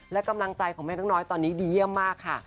และกำลังใจของแม่นกน้อยตอนนี้ดีเยี่ยมมากค่ะ